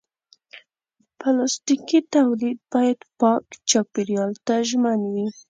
پلاستيکي تولید باید پاک چاپېریال ته ژمن وي.